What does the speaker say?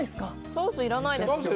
ソースいらないです。